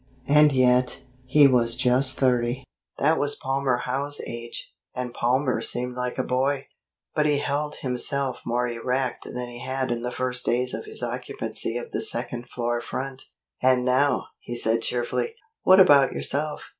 And yet, he was just thirty. That was Palmer Howe's age, and Palmer seemed like a boy. But he held himself more erect than he had in the first days of his occupancy of the second floor front. "And now," he said cheerfully, "what about yourself?